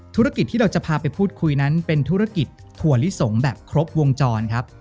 ธุรกิจที่เราจะพาไปพูดคุยนั้นเป็นธุรกิจถั่วลิสงแบบครบวงจรครับ